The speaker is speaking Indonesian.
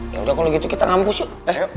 yaudah kalo gitu kita ngampus yuk